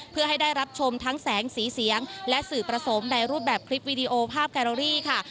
เพื่อให้ได้รับชมทั้งแสงสีเสียงและสื่อประสงค์ในรูปแบบคลิปวิดีโอภาพแกรอรี่ค่ะ